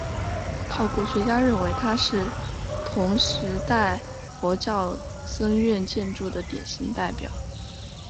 考古学家认为它是同时代佛教僧院建筑的典型代表。